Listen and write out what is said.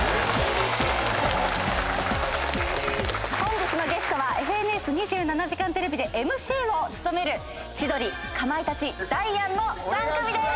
本日のゲストは『ＦＮＳ２７時間テレビ』でＭＣを務める千鳥かまいたちダイアンの３組でーす！